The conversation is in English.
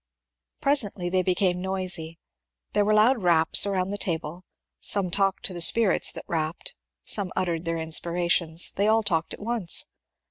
Presently they became noisy ; there were load raps around the table ; some talked to the spirits that rapped, some uttered their inspirations ; they all talked at once.